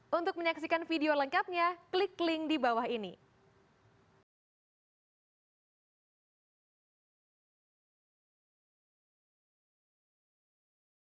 pertumbuhan penumpang mencapai sembilan ratus lima puluh tiga enam ratus lima puluh enam tetapi pada januari dua ribu sembilan belas hanya tujuh ratus enam puluh tiga delapan ratus sembilan puluh empat